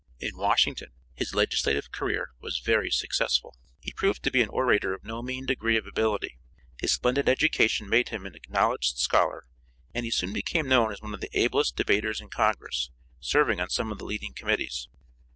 In Washington his legislative career was very successful. He proved to be an orator of no mean degree of ability, his splendid education made him an acknowledged scholar, and he soon became known as one of the ablest debaters in Congress, serving on some of the leading committees.